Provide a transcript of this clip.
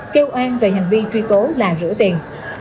kêu an về hành vi truy tố là rửa tiền